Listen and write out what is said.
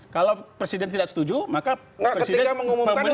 kalau presiden tidak setuju maka pemerintah juga mengumumkan